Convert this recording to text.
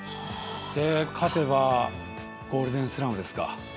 勝てばゴールデンスラムですか。